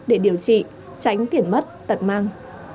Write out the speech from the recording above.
để điều trị tránh tiền mất tận mang